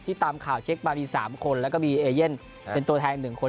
ตามข่าวเช็คมามี๓คนแล้วก็มีเอเย่นเป็นตัวแทน๑คน